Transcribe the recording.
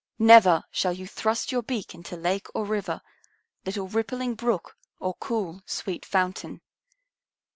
Never shall you thrust beak into lake or river, little rippling brook or cool, sweet fountain.